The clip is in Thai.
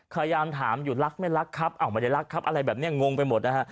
พยายามถามอยู่รักไม่รักครับอ้าวไม่ได้รักครับอะไรแบบนี้งงไปหมดนะฮะ